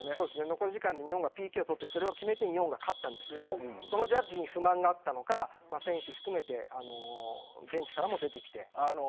残り時間で日本がＰＫを取ってそれを決めて勝ったんですけどそのジャッジに不満があったのか選手含めてベンチからも出てきて。